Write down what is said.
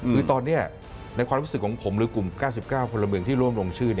คือตอนนี้ในความรู้สึกของผมหรือกลุ่ม๙๙คนละเมืองที่ร่วมลงชื่อ